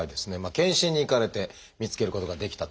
健診に行かれて見つけることができたと。